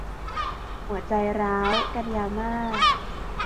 หัวใจร้าว - กันยามาส